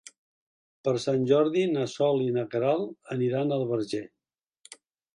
Per Sant Jordi na Sol i na Queralt aniran al Verger.